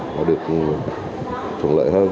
họ được thuận lợi hơn